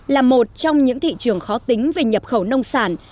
là một trong những thị trường khó tính về nhập khẩu nông sản